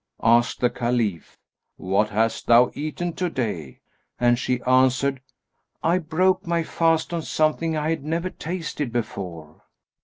Asked the Caliph, 'What hast thou eaten to day?'; and she answered, 'I broke my fast on something I had never tasted before.'